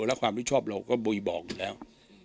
แล้วความผิดชอบเราก็บยบอกอยู่แล้ว